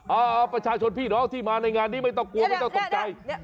ประชาชนพี่น้องที่มาในงานนี้ไม่ต้องกลัวไม่ต้องตกใจ